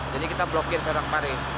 jadi kita blokir sana kemarin